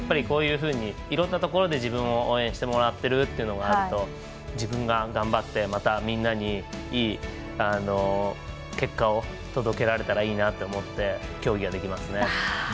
こういうふうにいろんなところで自分を応援してもらってるっていうのがあると、自分が頑張って、またみんなにいい結果を届けられたらいいなと思って競技ができますね。